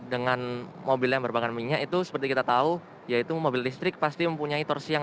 dengan mobil yang berbahan minyak itu seperti kita tahu yaitu mobil listrik pasti mempunyai torsi yang